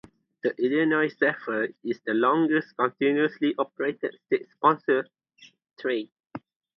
The "Illinois Zephyr" is the "longest continuously operated state-sponsored train.